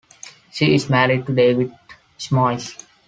She is married to David Shmoys.